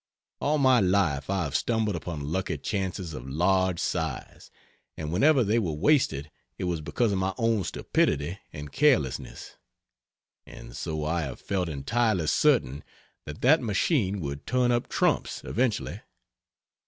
All my life I have stumbled upon lucky chances of large size, and whenever they were wasted it was because of my own stupidity and carelessness. And so I have felt entirely certain that that machine would turn up trumps eventually.